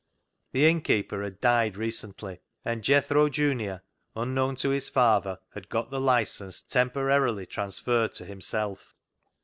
The innkeeper had died recently, and Jethro junior, unknown to his father, had got the licence temporarily transferred to himself.